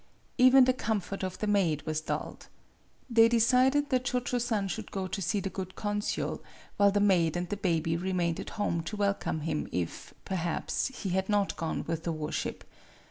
Even the comfort of the maid was dulled. They decided that Cho Cho San should go to see the good con sul, while the maid and the baby remained at home to welcome him if, perhaps, he had not gone with the war ship.